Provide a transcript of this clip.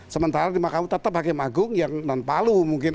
sementara di makau tetap hakim agung yang non palu mungkin